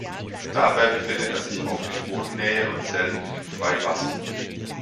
Dabei befindet er sich oft in Bodennähe und selten im Freiwasser.